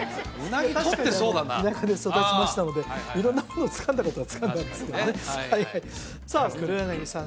田舎で育ちましたので色んなものをつかんだことはつかんだんですけどねさあ黒柳さん